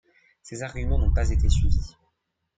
Ses arguments n'ont pas été suivis.